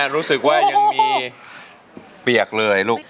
รู้สึกว่ายังมีเปียกเลยลูก